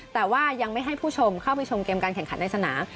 แต่ว่ายังไม่ให้ผู้ชมเข้าไปชมเกมการแข่งขันในสนาม